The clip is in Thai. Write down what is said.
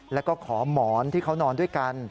แล้วก็ขอหมอนที่เขานอนด้วยกัน